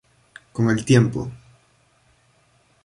Con el tiempo.